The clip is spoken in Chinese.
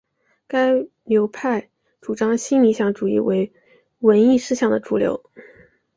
该流派主张新理想主义为文艺思想的主流。